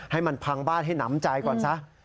ให้มันพังบ้านให้หนำใจก่อนซะ